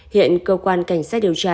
hiện cơ quan cảnh sát điều tra